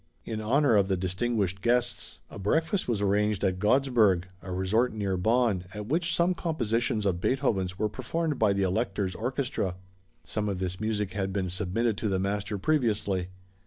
In honor of the distinguished guests, a breakfast was arranged at Godesburg, a resort near Bonn, at which some compositions of Beethoven's were performed by the Elector's orchestra. Some of this music had been submitted to the master previously.